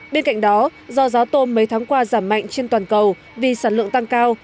bên cạnh đó do giá tôm mấy tháng qua giảm mạnh trên toàn cầu vì sản lượng tăng cao